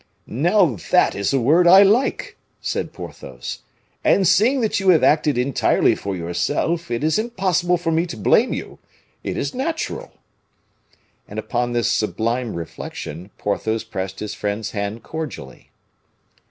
"Now, that is a word I like," said Porthos; "and seeing that you have acted entirely for yourself, it is impossible for me to blame you. It is natural." And upon this sublime reflection, Porthos pressed his friend's hand cordially.